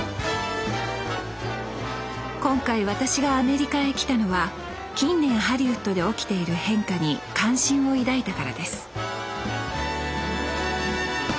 今回私がアメリカへ来たのは近年ハリウッドで起きている変化に関心を抱いたからです